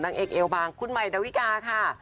นางเอกเอวบางคุณใหม่ดาวิกาค่ะ